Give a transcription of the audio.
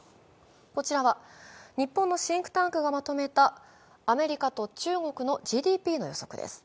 こちらは日本のシンクタンクがまとめたアメリカと中国のＧＤＰの予測です。